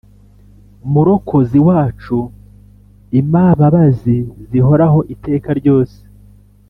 Mjurokozi wacu imababazi zihoraho iteka ryose